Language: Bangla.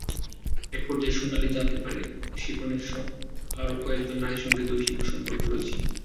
একপর্যায়ে সোনালী জানতে পারেন শিপনের আরও কয়েকজন নারীর সঙ্গে দৈহিক সম্পর্ক রয়েছে।